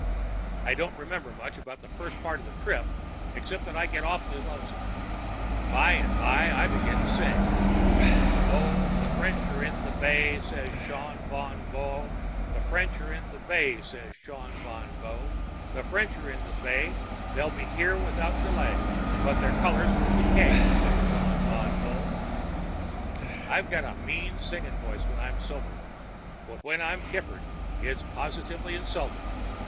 "I don't remember much about the first part of the trip except that I get awful lonesome. By and by I begin to sing: "'Oh, the French are in the bay!' said the Shaun Van Vocht. 'The French are in the bay,' said the Shaun Van Vocht. 'The French are in the bay. They'll be here without delay. 'But their colors will decay,' said the Shaun Van Vocht." "I've got a mean singing voice when I'm sober, but when I'm kippered it's positively insulting.